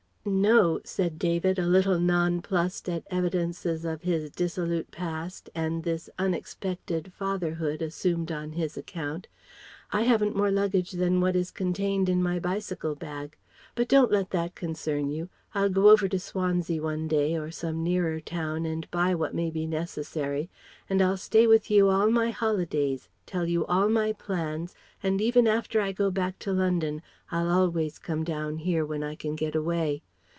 "No," said David, a little non plussed at evidences of his dissolute past and this unexpected fatherhood assumed on his account. "I haven't more luggage than what is contained in my bicycle bag. But don't let that concern you. I'll go over to Swansea one day or some nearer town and buy what may be necessary, and I'll stay with you all my holidays, tell you all my plans, and even after I go back to London I'll always come down here when I can get away.